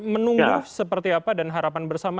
menunggu seperti apa dan harapan bersama